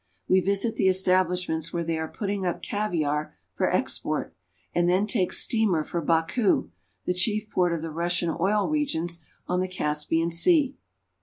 We visit the establishments where they are putting up caviar for export, and then take steamer for Baku, the chief port of the Rus sian oil regions on the Caspian Sea.